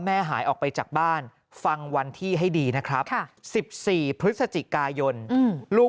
หายออกไปจากบ้านฟังวันที่ให้ดีนะครับ๑๔พฤศจิกายนลูก